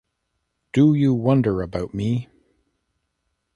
Do You Wonder About Me?